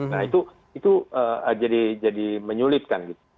nah itu jadi menyulitkan